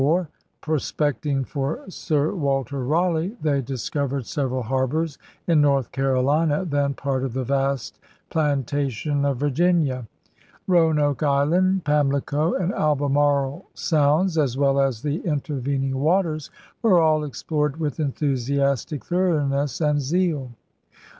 Pros pecting for Sir Walter Raleigh, they discovered several harbors in North Carolina, then part of the vast 'plantation' of Virginia. Roanoke Island, Pamlico and Albemarle Sounds, as well as the in tervening waters, were all explored with enthusi astic thoroughness and zeal.